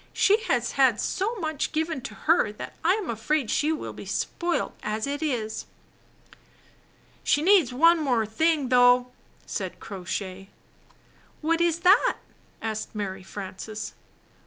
"She has had so much given to her that I'm afraid she will be spoiled as it is." "She needs one thing more, though," said Crow Shay. "What is that?" asked Mary Frances.